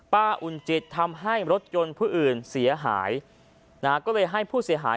อุ่นจิตทำให้รถยนต์ผู้อื่นเสียหายนะฮะก็เลยให้ผู้เสียหาย